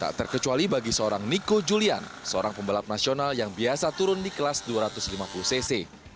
tak terkecuali bagi seorang niko julian seorang pembalap nasional yang biasa turun di kelas dua ratus lima puluh cc